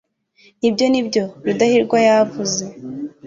nibyo, nibyo rudahigwa yavuze